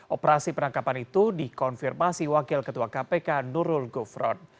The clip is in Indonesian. operasi penangkapan itu dikonfirmasi wakil ketua kpk nurul gufron